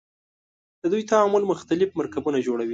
د دوی تعامل مختلف مرکبونه جوړوي.